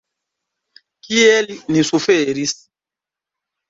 Kiel ni suferis!